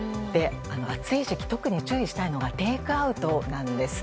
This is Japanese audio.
暑い時期、特に注意したいのがテイクアウトなんです。